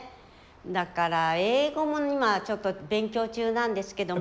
だから英語も今ちょっと勉強中なんですけども。